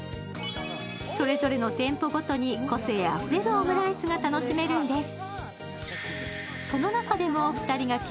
それぞれの店舗ごとに個性あふれるオムライスを楽しむことができるんです。